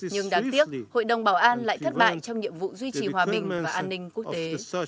nhưng đáng tiếc hội đồng bảo an lại thất bại trong nhiệm vụ duy trì hòa bình và an ninh quốc tế